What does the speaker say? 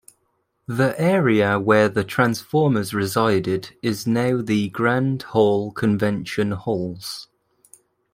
The area where the transformers resided is now the Grand Hall convention halls.